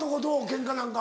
ケンカなんか。